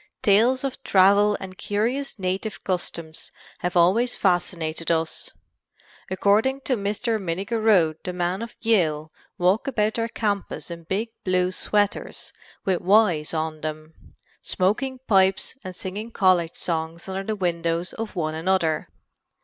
Tales of travel and curious native customs have always fascinated us. According to Mr. Minnigerode the men of Yale walk about their campus in big blue sweaters with "Y's" on them, smoking pipes and singing college songs under the windows of one another.